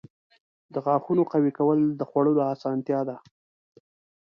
• د غاښونو قوي کول د خوړلو اسانتیا ده.